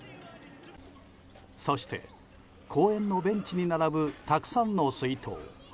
そして、公園のベンチに並ぶたくさんの水筒。